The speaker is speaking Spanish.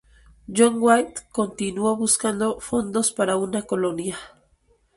John White continuó buscando fondos para una colonia.